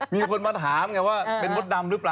มีคนมาถามไงว่าเป็นมดดำหรือเปล่า